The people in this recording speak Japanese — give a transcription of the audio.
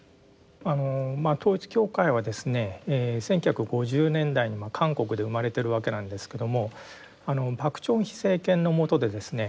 あの統一教会はですね１９５０年代に韓国で生まれてるわけなんですけども朴正煕政権の下でですね